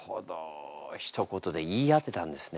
ひと言で言い当てたんですね。